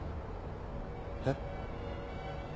えっ？